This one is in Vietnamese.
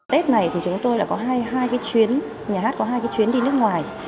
tết này thì chúng tôi là có hai cái chuyến nhà hát có hai cái chuyến đi nước ngoài